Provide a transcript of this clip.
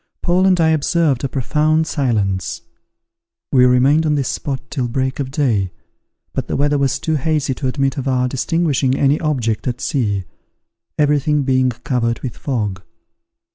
Paul and I observed a profound silence. We remained on this spot till break of day, but the weather was too hazy to admit of our distinguishing any object at sea, every thing being covered with fog.